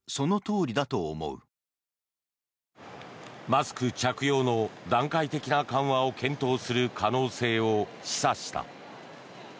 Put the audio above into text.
マスク着用の段階的な緩和を検討する可能性を示唆した。